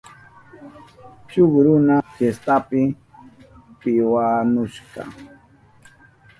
Shuk runa fiestapi piwanushka.